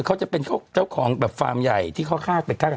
เขาจะเป็นเจ้าของแบบฟาร์มใหญ่ที่เขาคาดไปฆ่ากัน